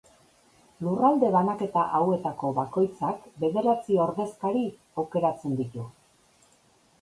Lurralde banaketa hauetako bakoitzak, bederatzi ordezkari aukeratzen ditu.